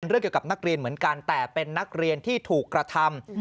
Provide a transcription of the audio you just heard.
เรื่องเกี่ยวกับนักเรียนเหมือนกันแต่เป็นนักเรียนที่ถูกกระทำ